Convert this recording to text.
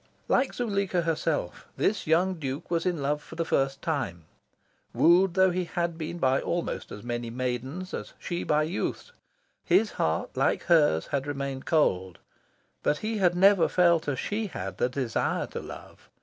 Like Zuleika herself, this young Duke was in love for the first time. Wooed though he had been by almost as many maidens as she by youths, his heart, like hers, had remained cold. But he had never felt, as she had, the desire to love.